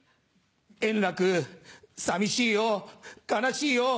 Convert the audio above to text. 「円楽寂しいよ悲しいよ。